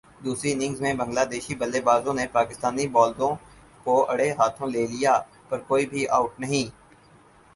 دوسری اننگز میں بنگلہ دیشی بلے بازوں نے پاکستانی بالروں کو اڑھے ہاتھوں لے لیا پر کوئی بھی اوٹ نہیں